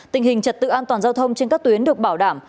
tình hình trật tự an toàn giao thông trên các tuyến được bảo đảm